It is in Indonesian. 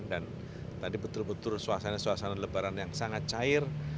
dan tadi betul betul suasana suasana lebaran yang sangat cair